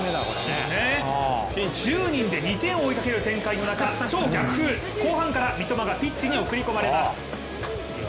１０人で２点を追いかける展開の中超逆風、後半から三笘がピッチに送り込まれます。